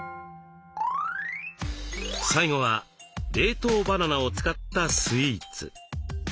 最後は冷凍バナナを使ったスイーツ。